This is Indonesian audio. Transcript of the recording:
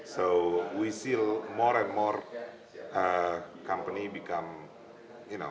jadi kita melihat lebih banyak perusahaan menjadi anda tahu